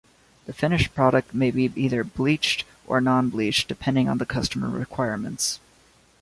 The finished product may be either bleached or non-bleached, depending on the customer requirements.